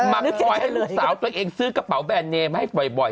มาปล่อยสาวตัวเองซื้อกระเป๋าแบนเมน์ให้บ่อย